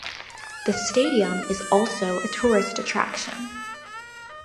The stadium is also a tourist attraction.